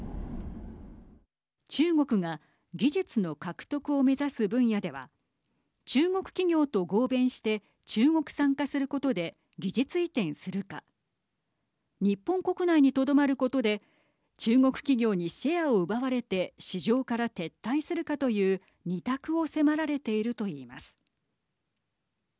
中国が技術の獲得を目指す分野では中国企業と合弁して中国産化することで技術移転するか日本国内にとどまることで中国企業にシェアを奪われて市場から撤退するかという二択を迫られているといいます。